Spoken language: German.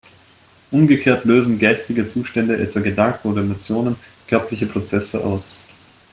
Umgekehrt lösen geistige Zustände, etwa Gedanken oder Emotionen, körperliche Prozesse aus.